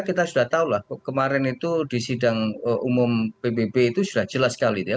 kita sudah tahu lah kemarin itu di sidang umum pbb itu sudah jelas sekali ya